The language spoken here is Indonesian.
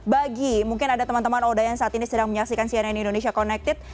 bagi mungkin ada teman teman oda yang saat ini sedang menyaksikan cnn indonesia connected